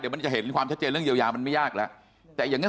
มันจะถูกพิสูจน์อย่างไร